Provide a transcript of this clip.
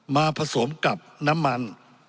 ผสมกับน้ำมัน